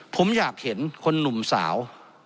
ผมอยากเห็นคนหนุ่มสาว